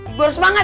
gua harus semangat